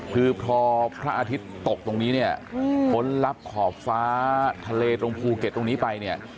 คือพอพระอาทิตย์ตกตรงนี้เนี่ยพ้นลับขอบฟ้าทะเลตรงภูเก็ตตรงนี้ไปเนี่ย